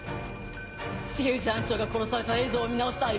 重藤班長が殺された映像を見直したい。